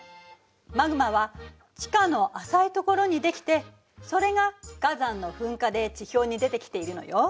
マグマは地下の浅いところにできてそれが火山の噴火で地表に出てきているのよ。